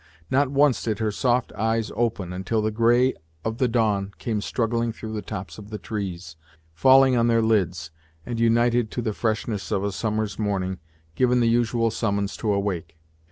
Not once did her soft eyes open, until the grey of the dawn came struggling through the tops of the trees, falling on their lids, and, united to the freshness of a summer's morning, giving the usual summons to awake.